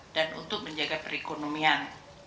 dan untuk menjaga perekonomian